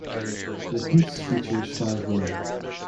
The piece features five women.